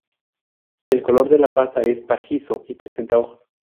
El color de la pasta es pajizo y presenta ojos.